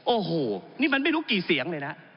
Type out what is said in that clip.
โอ้โหนี่มันไม่รู้กี่เสียงเลยนะ